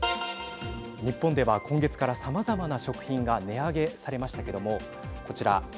日本では、今月からさまざまな食品が値上げされましたけどもこちら。